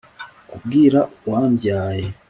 kubwira uwambyaye